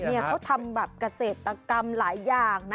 อ๋อเขาทำกระเศษกรรมหลายอย่างนะ